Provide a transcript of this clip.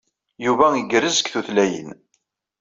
Yuba igerrez deg tutlayin.